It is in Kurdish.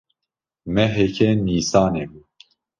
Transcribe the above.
Meheke Nîsanê bû.